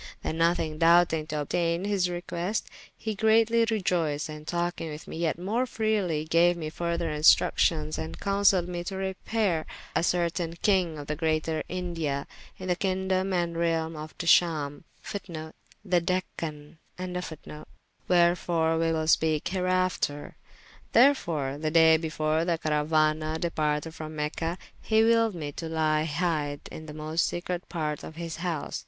Then nothyng doubtyng to obtayn his request, he greatly reioyced, and talkyng with me yet more freely, gaue me further instructions and counsayled me to repayre to a certayne kyng of the greater India, in the kyngdome and realme of Decham[FN#49] whereof we will speake hereafter. Therefore the day before the carauana departed from Mecha, he willed me to lye hydde in the most secrete parte of his house.